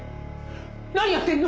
何やってんの？